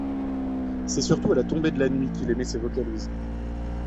C’est surtout à la tombée de la nuit qu’il émet ses vocalises.